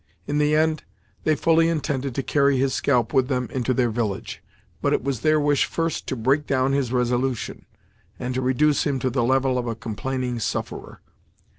In the end, they fully intended to carry his scalp with them into their village, but it was their wish first to break down his resolution, and to reduce him to the level of a complaining sufferer.